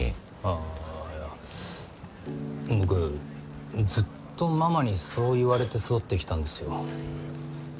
あぁいや僕ずっとママにそう言われて育ってきたんですよ。